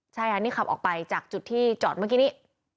ใช่ค่ะนี่ขับออกไปจากจุดที่จอดเมื่อกี้นี้